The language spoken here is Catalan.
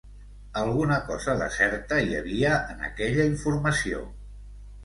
Alguna cosa de certa hi havia en aquella informació.